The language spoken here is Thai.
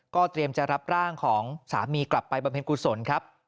เตรียมจะรับร่างของสามีกลับไปบำเพ็ญกุศลครับ